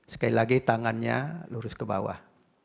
sekali lagi tangannya lurus ke bawah